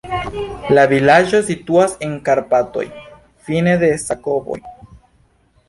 La vilaĝo situas en Karpatoj, fine de sakovojo.